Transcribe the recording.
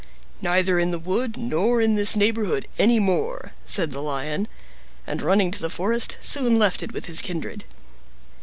"Neither in the wood nor in this neighborhood any more," said the Lion, and running to the forest, soon left it with his kindred.